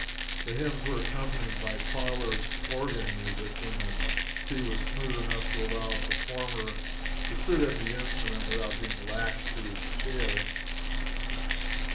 The hymns were accompanied by parlor organ music when the sea was smooth enough to allow a performer to sit at the instrument without being lashed to his chair.